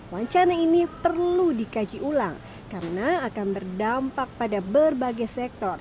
wacana ini perlu dikaji ulang karena akan berdampak pada berbagai sektor